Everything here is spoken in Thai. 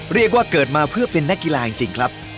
เรียกว่าเกิดมาเพื่อเป็นนักกีฬาจริงครับ